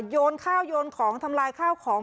โยนข้าวโยนของทำลายข้าวของ